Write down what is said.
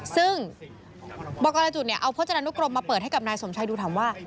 ซึ่งบอกกรจุดเอาโจจานุกรมมาเปิดให้กับนายสมชัยดูถามว่า